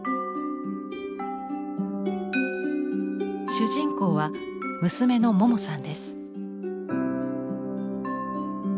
主人公は娘のモモさんです。